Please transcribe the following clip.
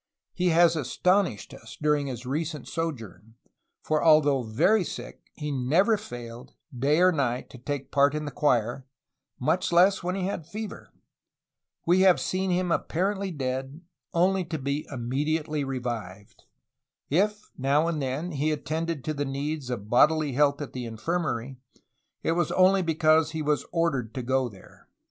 Hs has astonished us during his recent sojourn, for, al though very sick, he never failed, day or night, to take part in the choir, much less when he had fever. We have seen him apparently dead, only to be almost immediately revived. If now and then he attended to the needs of bodily health at the infirmary, it was only because he was ordered to go there.